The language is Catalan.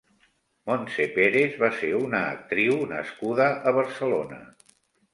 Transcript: Montse Pérez va ser una actriu nascuda a Barcelona.